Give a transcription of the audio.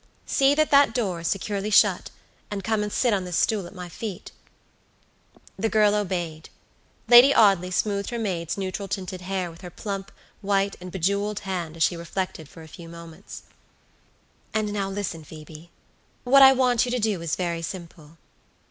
"See that that door is securely shut, and come and sit on this stool at my feet." The girl obeyed. Lady Audley smoothed her maid's neutral tinted hair with her plump, white, and bejeweled hand as she reflected for a few moments. "And now listen, Phoebe. What I want you to do is very simple."